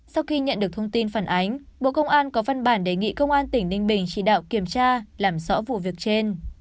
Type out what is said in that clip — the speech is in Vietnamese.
sau khi nhận được thông tin phản ánh bộ công an có văn bản đề nghị công an tỉnh ninh bình chỉ đạo kiểm tra làm rõ vụ việc trên